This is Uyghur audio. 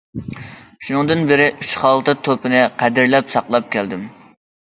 شۇنىڭدىن بېرى ئۈچ خالتا توپىنى قەدىرلەپ ساقلاپ كەلدىم.